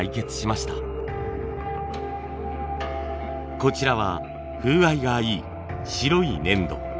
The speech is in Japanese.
こちらは風合いがいい白い粘土。